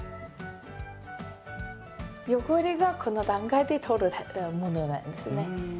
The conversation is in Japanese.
汚れがこの段階で取れるものなんですね。